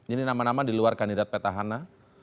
ini nama nama di luar kandidat peta hana